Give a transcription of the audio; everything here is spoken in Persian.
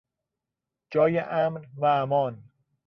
جای امن و امان